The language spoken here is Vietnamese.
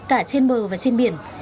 cả trên bờ và trên biển